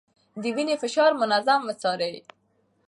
د وينې فشار منظم وڅارئ.